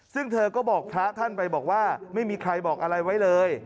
ซึ่งเธอก็บอกพระท่านไปบอกว่าไม่มีใครบอกอะไรไว้เลย